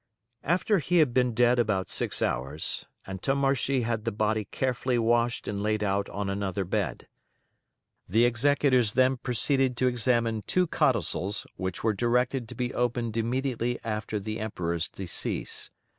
After he had been dead about six hours Antommarchi had the body carefully washed and laid out on another bed. The executors then proceeded to examine two codicils which were directed to be opened immediately after the Emperor's decease.